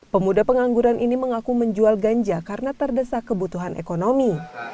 pemuda pengangguran ini mengaku menjual ganja karena terdesak kebutuhan ekonomi